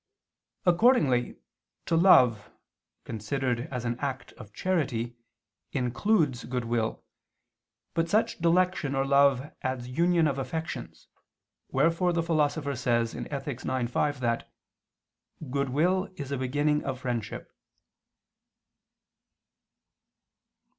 Accordingly, to love, considered as an act of charity, includes goodwill, but such dilection or love adds union of affections, wherefore the Philosopher says (Ethic. ix, 5) that "goodwill is a beginning of friendship."